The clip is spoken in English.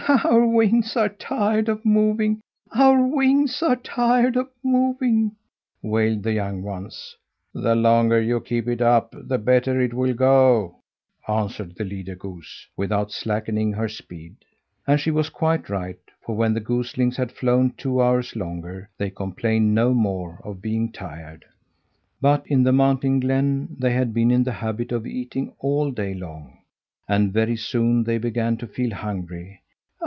"Our wings are tired of moving, our wings are tired of moving!" wailed the young ones. "The longer you keep it up, the better it will go," answered the leader goose, without slackening her speed. And she was quite right, for when the goslings had flown two hours longer, they complained no more of being tired. But in the mountain glen they had been in the habit of eating all day long, and very soon they began to feel hungry.